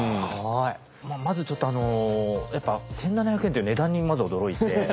まずちょっとあのやっぱ１，７００円という値段に驚いて。